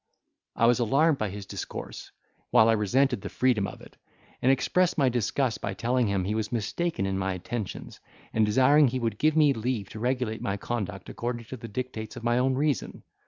I was alarmed by his discourse, while I resented the freedom of it, and expressed my disgust by telling him, he was mistaken in my intentions, and desiring he would give me leave to regulate my conduct according to the dictates of my own reason.